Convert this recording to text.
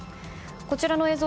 こちらの映像